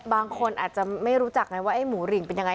บางคนอาจจะไม่รู้จักไงว่าไอ้หมูหริงเป็นยังไง